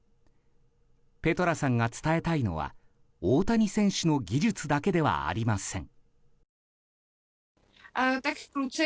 ペトラさんが伝えたいのは大谷選手の技術だけではありません。